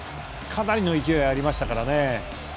かなりの勢いありましたからね。